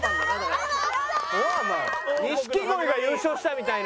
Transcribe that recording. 錦鯉が優勝したみたいな。